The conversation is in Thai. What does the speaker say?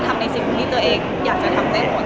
ทำในสิ่งที่ตัวเองอยากจะทำได้หมด